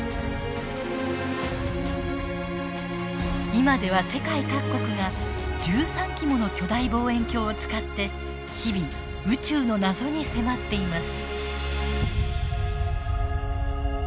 今では世界各国が１３基もの巨大望遠鏡を使って日々宇宙の謎に迫っています。